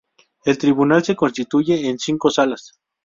El Tribunal se constituye en cinco Salas.